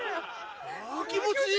あ気持ちいい！